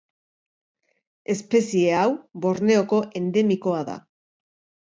Espezie hau Borneoko endemikoa da.